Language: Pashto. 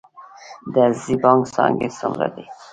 د عزیزي بانک څانګې څومره دي؟